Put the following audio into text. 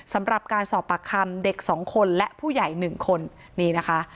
สำหรับการสอบปากคำเด็กสองคนและผู้ใหญ่หนึ่งคนนี่นะคะ